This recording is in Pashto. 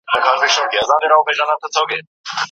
چې څنګه یو واړه ګل یو ملت بدل کړ.